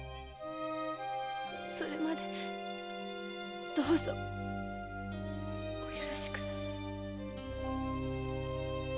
それまでどうぞお許しください。